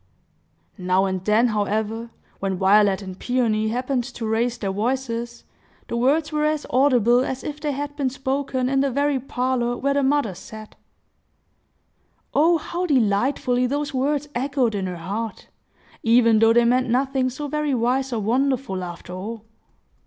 Now and then, however, when Violet and Peony happened to raise their voices, the words were as audible as if they had been spoken in the very parlor where the mother sat. Oh how delightfully those words echoed in her heart, even though they meant nothing so very wise or wonderful, after all!